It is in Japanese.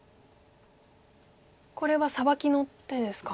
これはサバキの手ですか。